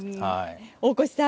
大越さん